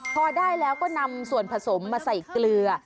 พอได้แล้วก็นำส่วนผสมมาใส่เกลือ